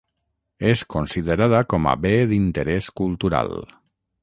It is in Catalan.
És considerada com a Bé d'Interés Cultural.